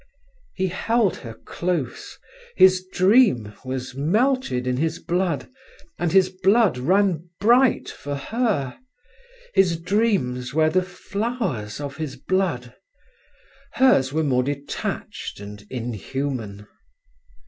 He held her close. His dream was melted in his blood, and his blood ran bright for her. His dreams were the flowers of his blood. Hers were more detached and inhuman.